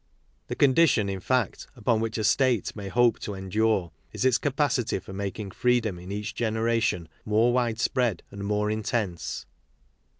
The condition, in fact, upon which a state may hope to endure is its capacity for making freedom in each generation more widespread and more intense.